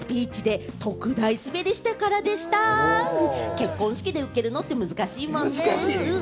結婚式でウケるのって難しいもんね。